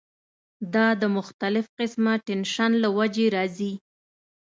دا د مختلف قسمه ټېنشن له وجې راځی